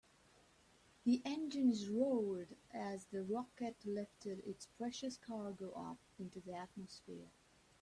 The engines roared as the rocket lifted its precious cargo up into the atmosphere.